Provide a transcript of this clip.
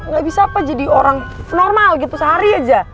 gak bisa apa jadi orang normal gitu sehari aja